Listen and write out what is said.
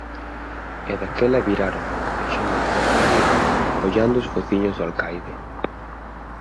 E daquela viráronme, deixándome boca arriba, ollando os fociños do alcaide.